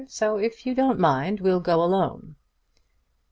So, if you don't mind, we'll go alone."